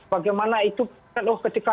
bagaimana itu ketika